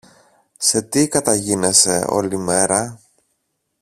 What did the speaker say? Σε τι καταγίνεσαι όλη μέρα;